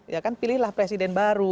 ya kan pilihlah presiden baru